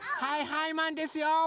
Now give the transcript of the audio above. はいはいマンですよ！